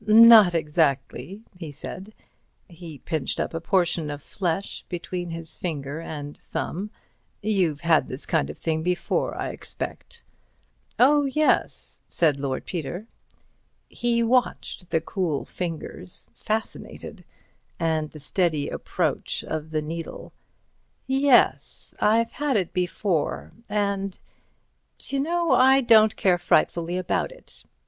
"Not exactly," he said. He pinched up a portion of flesh between his finger and thumb. "You've had this kind of thing before, I expect." "Oh, yes," said Lord Peter. He watched the cool fingers, fascinated, and the steady approach of the needle. "Yes—I've had it before—and, d'you know—I don't care frightfully about it."